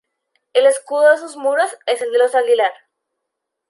El escudo de sus muros es el de los Aguilar.